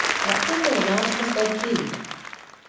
Apkopēja nāca mazgāt grīdu